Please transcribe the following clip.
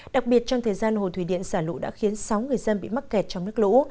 đặc biệt trong thời gian hồ thủy điện xả lũ đã khiến sáu người dân bị mắc kẹt trong nước lũ